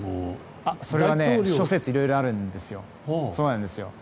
それは諸説いろいろあるんですよ。